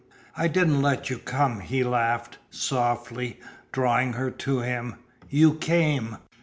"I didn't let you come," he laughed softly, drawing her to him. "You came!"